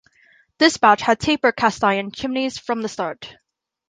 This batch had tapered cast iron chimneys from the start.